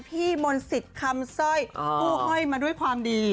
พี่มนต์สิทธิ์คำสร้อยผู้ห้อยมาด้วยความดี